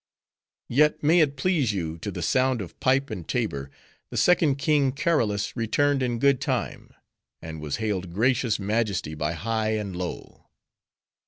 "Yet, may it please you, to the sound of pipe and tabor, the second King Karolus returned in good time; and was hailed gracious majesty by high and low.